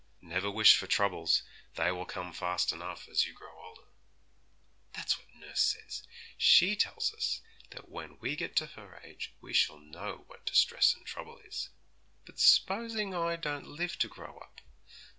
Never wish for troubles; they will come fast enough as you grow older.' 'That's what nurse says; she tells us when we get to her age we shall know what distress and trouble is. But s'posing if I don't live to grow up?